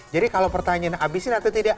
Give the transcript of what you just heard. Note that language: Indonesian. jadi kalau pertanyaan habisin atau tidak